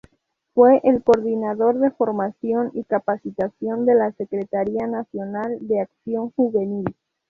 Fue el Coordinador de Formación y Capacitación de la Secretaría Nacional de Acción Juvenil.